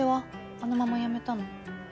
あのまま辞めたの？